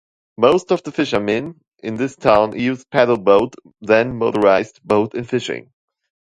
Most of the fishermen in this town used paddle-boat than motorized boat in fishing.